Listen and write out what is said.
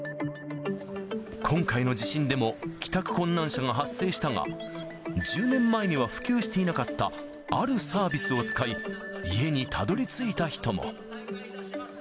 今回の地震でも帰宅困難者が発生したが、１０年前には普及していなかったあるサービスを使い、家にたどりついた人も。